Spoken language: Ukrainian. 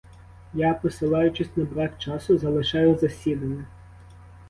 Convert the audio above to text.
Я, посилаючись на брак часу, залишаю засідання.